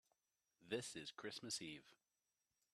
This is Christmas Eve.